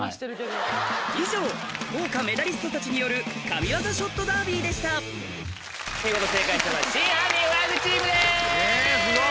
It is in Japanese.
以上豪華メダリストたちによる神業ショットダービーでした見事正解したのは『真犯人フラグ』チームです！